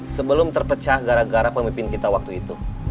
sebelum terpecah gara gara pemimpin kita waktu itu